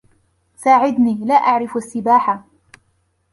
ساعدني. لا أعرف السّباحة.